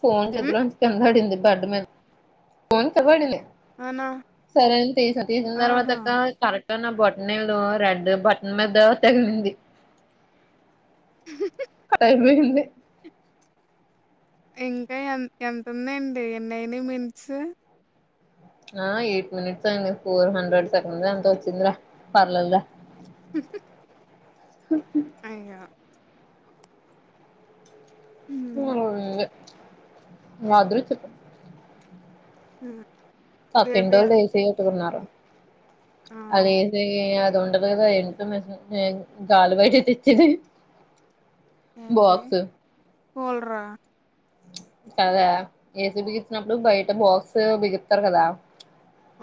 Phone హ్మ్. జేబులోంచి కింద పడింది [inaudible] ఫోన్ కిందబడింది. అవునా? సరేంతీ సతీన్ ఆహా! తర్వాత కాల్ కరెక్ట్ అన్నా బాట్ నెలు రెడ్ బటన్ మీద తగిలింది. ఇరవై ఉంది. ఇంకా ఎం ఎంతుందేంటి ఎన్ అయినయ్ మినిట్స్ ఆ ఎయిట్ మినిట్సే అయింది ఫోర్ హండ్రెడ్ సెకండ్ ఎంత ఒచ్చిందిరా పర్లేదులె హుహ్ హ అయ్యో! హ్మ్. [unintelligible] మా అదృష్టం అ పక్కింటోల్ లేస్ ఏయించుకున్నారు. ఆ! అదేసీ అది ఉండదు గదా ఎంటనే గాల్ బయట తెచ్చింది. బాక్స్ ఓల్రా కదా ఏసీ బిగిచినప్పుడు బయట బాక్స్ బిగిస్తార్ కదా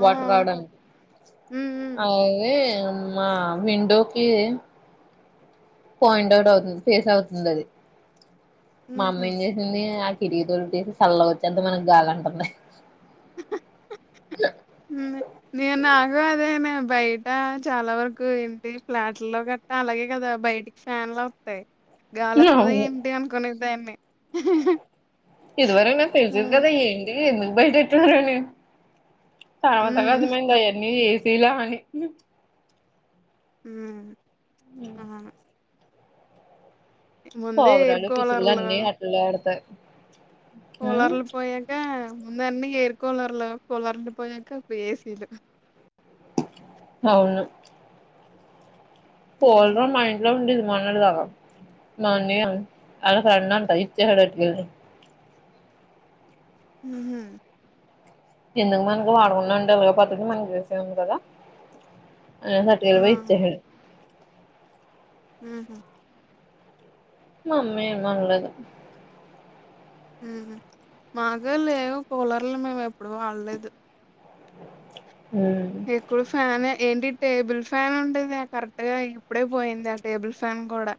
ఆ! వాటర్ అవును. రావడాన్ హ్మ్. హ్మ్. మా విండోకి పాయింట్ అవుట్ అవుతుంది ఫేస్ అవుతుందది మా హుహు. అమ్మేం చేసింది. కిటికి తలుపు సల్లగోచ్చేద్ది మనక్ గాలంటుంది. నే నాకు అదేనే బైట చాలా వరకు ఇంటి ఫ్లాట్లో గడ్తే అలాగే గదా బయటికి ఫ్యాన్లోత్తాయ్ గాలోత్తది అవును ఏంటి అనుకునే దాన్ని ఇదివరక్ నాక్ తెల్సది కదా ఏంటి ఎందుకు బైట పెట్టారని తర్వాతక్ హ్మ్. అర్థమైంది అవన్నీ ఏసీలా అని హ్ ఆ ఎయిర్ పావురాలు, పిచ్చుకులు కూలర్లు అన్నీ అక్కడే ఆడతార్ కూలర్లు పోయాక ముందన్నీ ఏర్ కులర్లు కూలర్లు పోయాక ఏసీలు అవ్ను ఉమ్. కూలరు మా ఇంట్లో ఉండే మోన్నట్ దాకా మా అన్నయ్య ఆళ్ల ఫ్రెండ్ అంట ఇచ్చేసాడ్ పట్కెళ్ళి మ్ హ్ ఎందుకు మనకు వాడుకున్నాంటేలె పద్ధతి మనకి తెల్లుంది కదా [unintelligible] ఆ పోయి ఇచ్చేశాడు మ్ మమ్మీ మాంగ్దా ఉమ్మ్ మా కూడా లేవు కూలర్లు మేము ఎప్పుడు వాడలేదు ఉమ్ ఎక్కువ ఫ్యాన్ ఎ ఏంటి టేబుల్ ఫ్యాన్ ఉంటది ఆ కరెక్ట్ గా ఇప్పుడే పోయింది ఆ టేబుల్ ఫ్యాన్ కూడా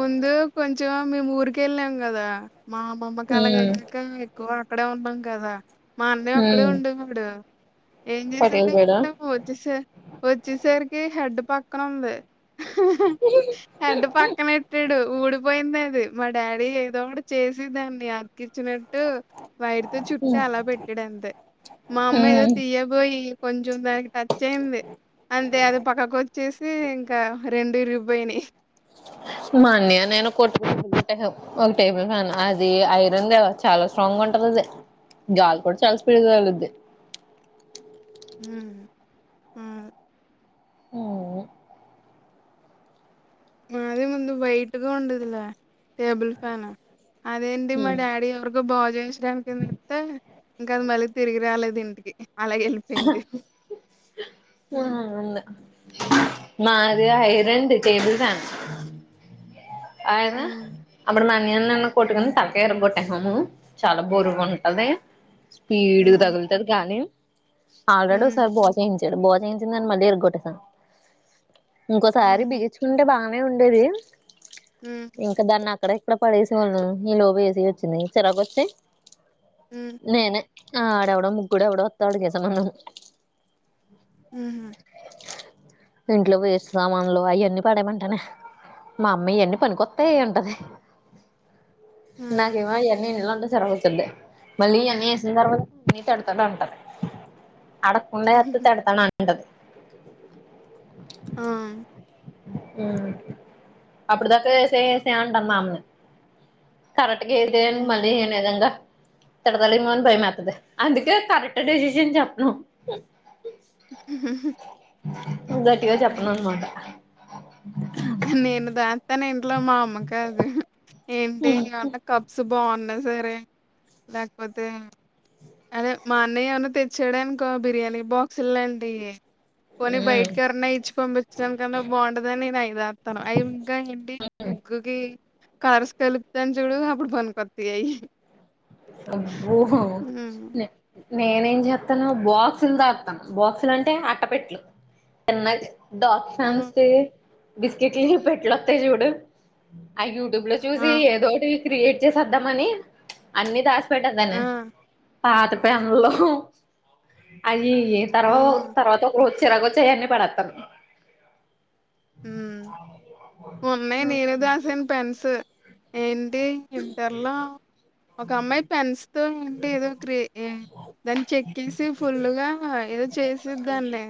ముందు కొంచెం మేము ఊరికి వెళ్ళాం కదా మా అమ్మమ్మకి అలాగ ఉమ్ అయ్యాక ఎక్కువ అక్కడే ఉన్నాం కదా మా అన్న ఒక్కడే ఉమ్ ఉండేవాడు ఏం పటేల్ చేసాడు బేడా వచ్చేస వచ్చేస్ సరికి హెడ్ పక్కను ఉంది హెడ్ పక్కన పెట్టాడు ఊడిపోయింది అది మా డాడీ ఏదో ఒకటి చేసే దాన్ని కిచ్చినట్టు వైర్తో చుట్టి ఉమ్ అలా పెట్టాడు అంతే మా అమ్మ ఏదో ఉమ్ తీయబోయి కొంచెం దానికి టచ్ అయింది అంతే అది పక్కకు వచ్చేసి ఇంకా రెండు ఇరిగి పోయినాయి మా అన్నయ్య నేను కొట్టుకొని ఒక టేబుల్ ఫన్ అది ఐరన్ కదా చాలా స్ట్రాంగ్ గా ఉంటుం ద్ గాలి కూడా చాలా స్పీడ్ గా తగులుద్ది ఉమ్మ్ ఉ ఉమ్మ్ మది ముందు వైట్గా ఉండదిల టేబుల్ ఫాన్ అదేంటి మా ఉమ్ డాడీ ఎవరికో బాచేయించడానికి ఇస్తే ఇంకా అది మళ్ళీ తిరిగి రాలే ద్ ఇంటికి హ అలాగెళ్ళిపోయింది. హ్మ్. అవును మది ఐరన్ ది టేబుల్ ఫ్యాన్ అయినా హ్మ్. [unintelligible] నేను అన్నయ్య కొట్టుకొని తలకాయ కొట్టేసాము చాలా బోరుగా ఉంటది ఫీడ్ హ్మ్. తగులుతది గానీ ఆల్రెడీ ఒకసారి హ్మ్. బాగా చేయించ భచేయించనని మళ్ళీ ఇరగొట్టేసా ఇంకోసారి హ్మ్. బిగించుకుంటే బా నే ఉండేది హ్మ్. ఇంకా దాన్ని అక్కడ ఇక్కడ పడేసే వాళ్ళు ఈలోపు ఏసి వచ్చింది చిరాకు వచ్చి హ్మ్. నేనే ఆ ఆడెవడో ముగ్గుడ ఎవడో ఒత్తాడుగా ఏ సంబంధం ఉహ్ ఇంట్లో వేస్ట్ సామానులు ఆయనీ పడేమంటానే మా అమ్మీ ఎన్ని పని కొత్తయి అంటది నాకు హ్మ్. ఏమో అయ్యన్నీ ఉంట జరుగుతుండే మళ్ళీ అన్నీ వేసిన తర్వాత అన్న తడతాడు అంటారు అడక్కుండా ఏస్తే తిడతాను అంటాడు ఆ ఉ అప్పటిదాకా ఏసయ్య యేసయ్య అంటది మా అమ్మ కరెక్ అగే ఇదేం హ్మ్. మనీ ఏనేదంగా తిడతావేమో అని భయమేస్తది అందుకనే కరెక్ట్ డెసిషన్ చెప్పాను గట్టిగా చెప్పను హ్మ్. అన్నమాట నేను దాస్తాను ఇంట్లో మా అమ్మ కాదు ఏంటి అంత కప్స్ బాగున్నా సరే లేకపోతే అదే మా అన్నయ్య ఏమన్నా తెచ్చాడానుకో బిర్యానీ బాక్సులాంటి ఇ పోని బయటకి ఎవరన ఇచ్చి పంపించినుకన్నా బాగుంటదని నేను ఐదతాను అ ఇంకా ఏంటి ముగ్గుకి కారస్ కలిపుతన్ చూడు అపుడు పనికొస్తాయి అయి అబ్బో లె నేనేం చెత్తాను బాక్సులు దాతాను బాక్సులు అంటే అట్ట పెట్లు చిన్న డార్క్ హ్మ్. ఫాంటసీ బిస్కట్లు భెట్ల వస్తాయి చూడు ఐ యూట్యూబులో ఆ! చూసి ఏదోటి క్రియేట్ చేసద్దాం అని అన్ని దాసి పెట్టే ఆ! దాన్ని పాత పెన్నులు అవి ఏ తెరవవు హ్మ్. తర్వాత ఒక రోజు చిరగా వచ్చయన్ని పడేస్తాను మ్ ఉన్నాయి నీరదాన్సు పెన్సు ఏ అది ఇంటర్ లో ఒక అమ్మాయి పెన్స్ తో ఏంటి ఏదో క్రెట్ ఏ దాన్ని చెక్కేసి ఫుల్లుగా ఏదో చేసేదాన్ని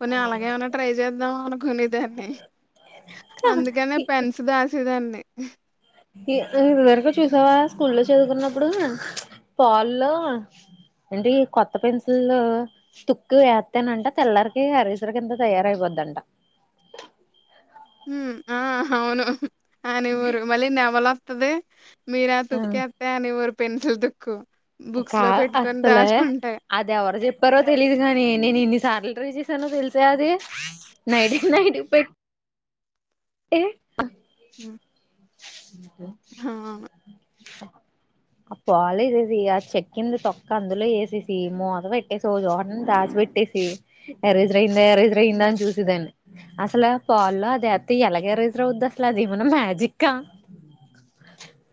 పోనీ అలాగే ఏమైనా ట్రై చేద్దాం కొనేదాన్ని అందుకనే పెన్స్ దాసేదాన్ని ఈ ఈ ఇదివరకు హ్మ్. చూసావా స్కూల్లో చదువుకున్నప్పుడు కాల్ లో అంటే ఈ కొత్త పెన్సు తుక్కు వేస్తానంటే తెల్లరికి అరీసరికి ఎంత తయారయిపోద్ దంట మ్ హ ఆ అవును ఆ అనేవారు మళ్లీ నెమలి వస్తది మీరు తుక్కెట్ట అనేవారు పెన్సిల్ తుక్కు కా బుక్స్‌లో పెట్టుకొని అసలే దాచుకుంటే. అది ఎవరు చెప్పారో తెలీదు కాని నేను ఇన్ని సార్లు రాసేసాను తెలిసా అది నైట్ కి నైట్ పెట్ ఏ ఉ అ ఆ తొలిసేసి ఆ చెక్కింది తొక్క అందులో ఎసేసి మూత పెట్టేసి ఒక చోటన దాచ్ పెట్టేసి ఎరేజర్ అయిందా ఎరేజర్ అయిందా హ్మ్. అని చూసేదాన్ని అసలు పాల్లో అది ఎలాగే రైస్ అవుద్ది అసలు అది ఏమైనా మ్యాజికా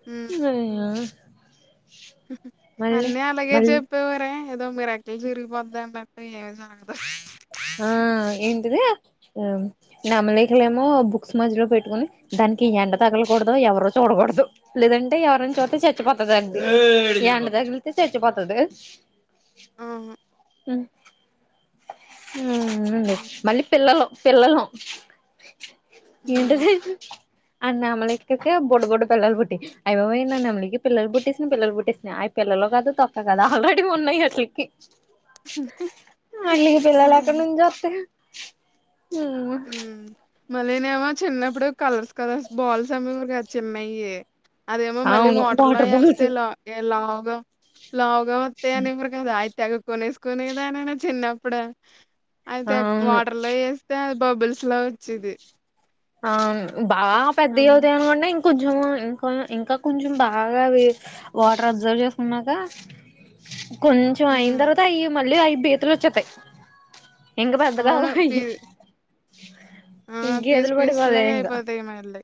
హ్మ్. అయ్యో అన్నీ అలాగే మళ్ళీ చెప్పేవారే ఏదో మిరాకిల్ జరిగిపోది అంట్ ఏం జరగదు ఆ ఏంటిది ఆ నెమలికలేమో బుక్స్ మధ్యలో పెట్టుకుని దానికి ఎండ తగలకూడదు ఎవరు చూడకూ డద్దు లేదంటే ఎవరైనా చూస్తే చచ్చిపోతది ఎండ తగిలితే చచ్చిపోతది అవును. మ్ ఆ! మళ్ళీ పిల్లలు పిల్లలు ఆ ఏంటది ఆ నెమలికలకి బుడ్డ బుడ్డ పిల్లలు పుట్టి అయ్ బాబోయ్ నా నెమలికి పిల్లలు పుట్టటిసిన పిలలు పుట్టేసిన పిల్లలు కాదు తొక్క కాదు ఆల్రెడీ ఉన్నాయి వాటిలికి మళ్ళీ పిల్లలు అక్కడ నుంచి వస్తయ్ మ్ మళ్ళీనేమో చిన్నప్పుడు కలర్స్ కలర్స్ బాల్స్ అమ్మేవారు చిన్నయి అదేమో మళ్ళీ అవును వాటర్ లో వేస్తే బాల్స్ లా లావుగా లావు లో వత్తాయని అనేవరు కదా అయి తగు కొనేసుకునేదా అనినా చిన్నప్పుడు అది అక్ అవును వాటర్ లో వేస్తే అవి బబ్బుల్స్ లో వచ్చేది ఆ బాగా అం పెద్దవుతాయి అనుకోంట ఇం కొజ్జం ఇంకా ఇంకా కొంచెం బాగా అవి వాటర్ అబ్జర్వ్ చేస్తున్నాక కొంచెం అయిన హ్మ్. తర్వాత అవి మళ్ళీ అవి బీతులు వచ్చేతాయి ఇంగ పెద్దగా అవును. అవ్వవై పీ ఆ పీస్ పీస్ లాగ ఇంకా అయిపోతాయి మళ్ళీ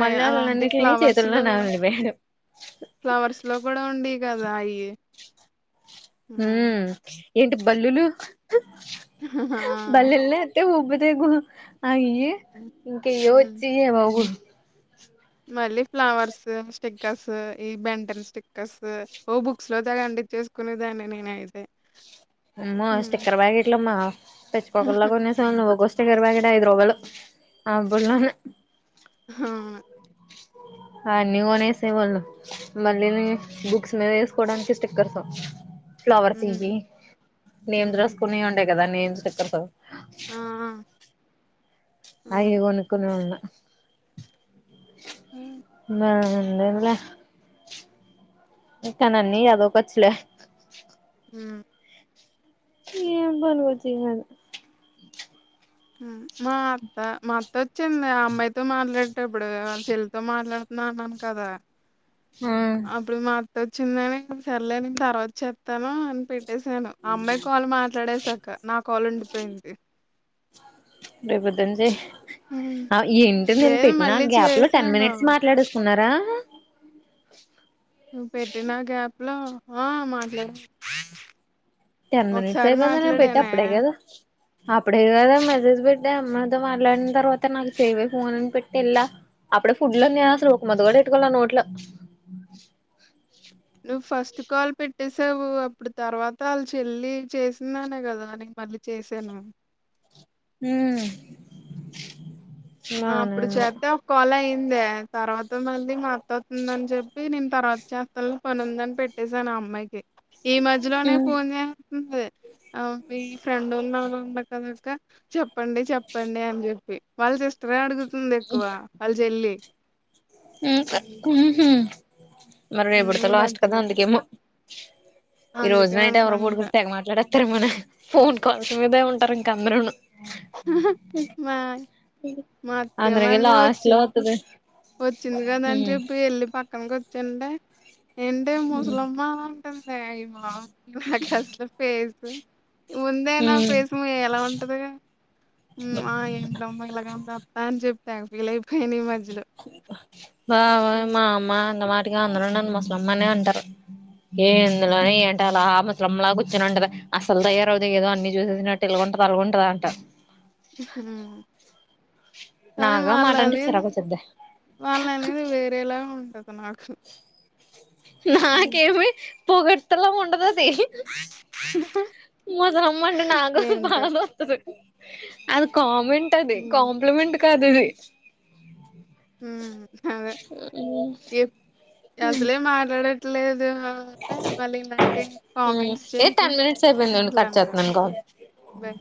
అ మళ్ళీ అలాంటి అన్నిటిని ఫ్లవర్స్ చేతుల్లో లో నాగలి వేయడం ఫ్లవర్స్ లో కూడా ఉండి కదా అయ్యి మ్ ఏంటి బల్లులు ఆ ఏ ఉబ్బతే గు అయి హ్మ్. ఇంకయ హ్మ్. వచ్చి ఏవో మళ్ళీ ఫ్లవర్స్ స్టిక్కర్స్ ఈ బెంటన్ స్టిక్కర్స్ ఓ బుక్స్ లో తగండి. చేసుకునేదాన్ని నేను అయితే అమ్మో స్టిక్కర్ అమ్మ పెట్టుకోగల కొనేశాం నువ్ గో స్టిక్కర్ బ్యాలెట్ ఐదురూవలు ఆబుళన్న అవును. అన్ని కొన్సేవాళ్ళం మళ్ళీ ని బుక్స్ మీద ఏస్కోడానికి స్టిక్కర్స్ ఫ్లవర్స్ హ్మ్. ఇవి నేమ్ హ్మ్. డ్రస్కునే ఉండే కదా నేమ్ స్టికర్స్ ఆ ఆ అయ్యే అవును. కొనుకున్న ఓన హ్మ్. మే ఉండన్లే ఇత్తానని అదోకాచ్లే ఉ ఏం బన్గుతినాలి మా అత్త మా అత్త ఒచ్చింది. ఆ అమ్మాయితో మాట్లాటప్పుడు వాళ్ళ చెల్ల్ తో మాట్లాడ్ నానన్ కదా ఉమ్ అప్పుడు మా అత్త వచ్చిందని సర్లే నేను తర్వాత చెతాను అని పెట్ పెట్టేసాను ఆ అమ్మాయి కాల్ మాట్లాడేసకా నా కాల్ ఉండిపోయింది. రేపొద్దునుంచి హ్మ్. ఆ ఏంటి నీను లేదు పెట్టిన మళ్ళీ గ్యాప్ లో టెన్ మినిట్స్ చేశాను. మాట్లాడెసున్నార్. డ నువ్వు పెట్టినా గ్యాప్ లో ఆ మాట్లాడ్ టెన్ మినిట్స్ అయిపోయింద నేన్ పెట్టి అప్పుడే కదా అప్పుడే కదా మెసేజ్ పెట్టి అదే అమ్మతో మాట్లాడిన తర్వాత నాకు చెయ్యవే ఫోన్ని అని పెట్టి ఎల్లా అప్పుడే ఫుడ్లున్నయ్య అసల్ ఒక ముద్ద కూడా ఎట్టుకోలే నోట్లో నువ్వు ఫస్ట్ కాల్ పెట్టేసావు. అప్పుడు తర్వాత ఆళ్ల చెల్లి చేసిందనే కదా నిక్ మళ్ళీ చే చేశాను ఉమ్ ఆ అప్పుడు చేద్దాం కాల్ అయి యిందే తర్వాత మళ్ళీ మత్త ఒత్తుందని చెప్పి నేను తర్వాత చేతనలే పనుందని పెట్టేసాను. ఈ మధ్యలోనే ఫోన్ చేస్తుంది ఆ మీ ఫ్రెండ్ ఉన్నా ఉండ కదక్క చెప్పండి చెప్పండి అని చెప్పి వాళ్ళు జెస్ వే అడుగుతుంది ఎక్కువ వాళ్ల చెల్లి ఉహు మరి ఉమ్, రేపటితో ఈ లాస్ట్ కదా మధ్యలో అందుకేమో ఈ రోజ్ అందుకే నైట్ ఎవరో అనుకుంటా పడ్కొని తెగ మాట్లాడెత్తరు ఏమో నే ఫోన్ కాల్స్ మీదే ఉంటారు ఇంకా అందరూను మా అందరకి లాస్ట్ లో ఒత్త ఓచ్చింది కదా అని చెప్పి ఎల్లి పక్కన కుచుం ఏంటే ముసలమ్మా అంటుందె ఈ మా అట్ల అసలు పేస్ ముందే నా పేస్ మి ఎలా ఉంటది ఆ ఏంటమ్మా ఇలాగంట అని చెప్పా తెగ ఫీల్ అయిపోయింద్ ఈ మధ్యలో బావ మామ అన్న మాటికీ అందరూ నన్ను మసలమ్మనే అంటారు. ఏ ఇందులో ఏంట అలా మ ముస్లమ్మలాగా కూచొని ఉంటది. అసల్ తయ్యరఅవుదు ఏదో అన్ని చూసేసినట్టు ఇలాగుంటది. అలాగుంటది అంటార్ ఉ కానీ నాగా వాళ్ల మాట అంటే అనేది చిరాకు వచ్చుద్ది వాళ్ అనేది వేరేలాగ ఉంటది. అ నాకేమి పొగడ్తల ఉండదు ముసలమ్మంటే నాకు కూడా ఏంటో బాధ ఒత్తది అది కామెంట్ అది. హ్మ్ కాంప్లిమెంట్ కాదు అది. ఉ అదే ఎ అసలే మాట్లాడట్లేదు. మన ఉంటే మళ్లి ఇలాంటి కామెంట్స్ ఏ చేసి టెన్ మినిట్స్ అయిపోయిందండి కట్ మాట్లనేవారు. చేస్తున్నాను కాల్ వె